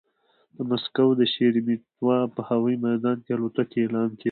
د مسکو د شېرېمېتوا په هوايي ميدان کې الوتکو اعلان کېده.